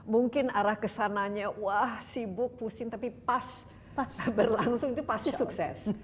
mungkin arah kesananya wah sibuk pusing tapi pas berlangsung itu pasti sukses